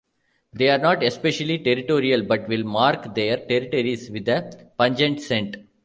They are not especially territorial but will mark their territories with a pungent scent.